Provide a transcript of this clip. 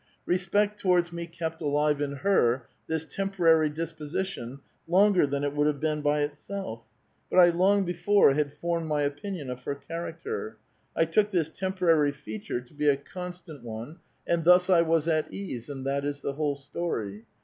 Respect towards me kept alive in her this teinporary disposition longer than it would have been by itself; but I long before had formed my opinion of her character; I took this temporary feature to be a constant 822 A VITAL QUESTION. one, and thus I was at ease, and that is the whole story.